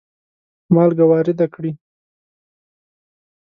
مالګه وارده کړي.